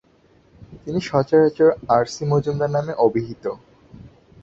তিনি সচরাচর R, C, Majumdar নামে অভিহিত।